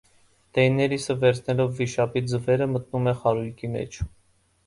Դեյեներիսը վերցնելով վիշապի ձվերը մտնում է խարույկի մեջ։